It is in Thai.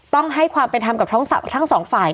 ต้องให้ความเป็นธรรมกับทั้งสองฝ่าย